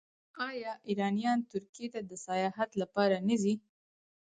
آیا ایرانیان ترکیې ته د سیاحت لپاره نه ځي؟